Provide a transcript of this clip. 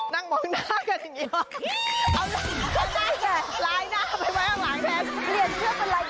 นั่งมองหน้ากันอย่างนี้เอาหน้าร้ายหน้าไปไว้เอาหลังแทน